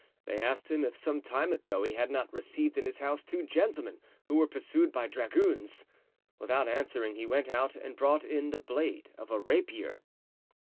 They asked him if some time ago he had not received in his house two gentlemen who were pursued by dragoons; without answering he went out and brought in the blade of a rapier.